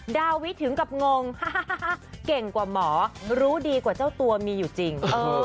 ดาวิถึงกับงงเก่งกว่าหมอรู้ดีกว่าเจ้าตัวมีอยู่จริง